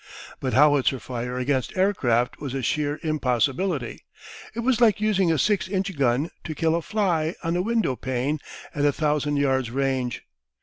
But howitzer fire against aircraft was a sheer impossibility: it was like using a six inch gun to kill a fly on a window pane at a thousand yards' range.